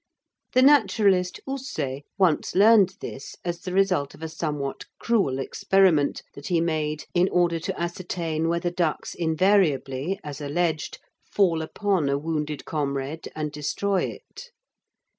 The naturalist Houssay once learnt this as the result of a somewhat cruel experiment that he made in order to ascertain whether ducks invariably, as alleged, fall upon a wounded comrade and destroy it.